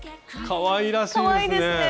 かわいらしいですね！